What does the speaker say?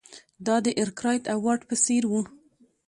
دا د ارکرایټ او واټ په څېر وو.